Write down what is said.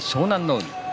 海。